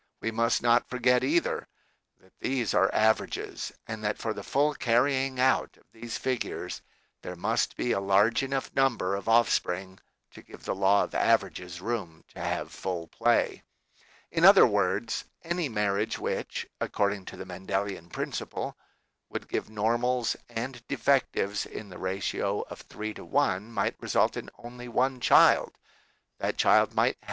We must not forget, either, that these are averages, and that for the full carrying out of these figures there must be a large enough number of offspring to give the law of averages room to have full play. In other words, any marriage which, according to the Mendelian principle, would give normals and defectives in the ratio of three to one might result in only one child. That child might hap WHAT IS TO BE DONE?